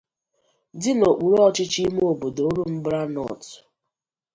dị n'okpuru ọchịchị ime obodo Orumbra North.